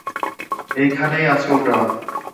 এইখানেই আছে ওটা!